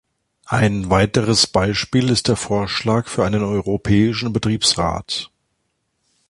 Ein weiteres Beispiel ist der Vorschlag für einen Europäischen Betriebsrat.